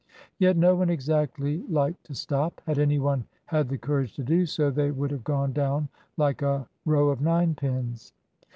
Yet no one exactly liked to stop. Had any one had the courage to do so, they would have gone down like a row of ninepins.